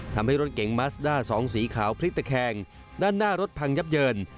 ทำให้รถเก๋งมัสด้าสองสีขาวพลิกตะแคงด้านหน้ารถพังยับเยิน